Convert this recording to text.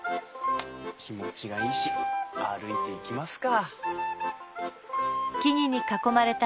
気持ちがいいし歩いていきますか。